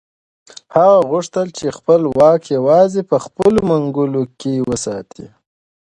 هغه غوښتل چې خپل واک یوازې په خپلو منګولو کې وساتي.